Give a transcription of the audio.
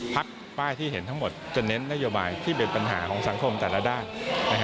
ป้ายที่เห็นทั้งหมดจะเน้นนโยบายที่เป็นปัญหาของสังคมแต่ละด้าน